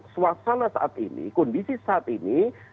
suasana saat ini kondisi saat ini